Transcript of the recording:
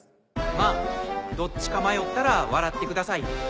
まぁどっちか迷ったら笑ってください。